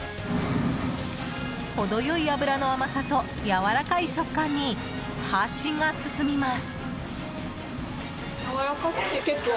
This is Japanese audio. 程良い脂の甘さとやわらかい食感に箸が進みます。